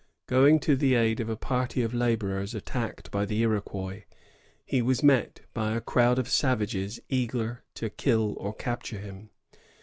Going to the aid of a party of laborers attacked by the Iroquois, he was met by a crowd of savages, eager to kill or capture him.